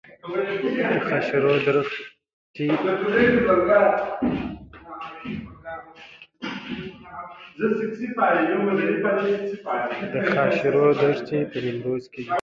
د خاشرود دښتې په نیمروز کې دي